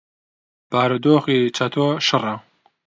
بارودۆخی چەتۆ شڕە.